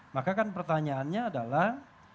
maka kan pertanyaannya adalah